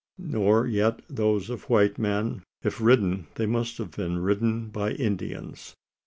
Nor yet those of white men? If ridden, they must have been ridden by Indians?